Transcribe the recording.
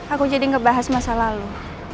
aku jadi ngebahas masa lalu